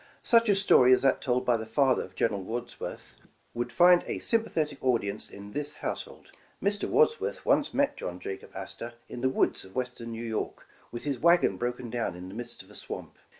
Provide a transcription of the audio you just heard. Such a story as that told by the father of General Wads worth, w^ould find a sympathetic audience in this household. Mr. Wadsworth once met John Jacob Astor in the woods of Western New York, with his wagon broken down in the midst of a swamp.